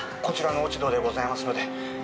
こちらの落ち度でございますので。